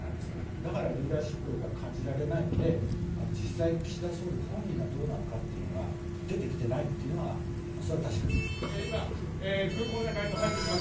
だから、リーダーシップが感じられないので実際、岸田総理本人がどうなのかというのが出てきていないというのはそれは確かだと思います。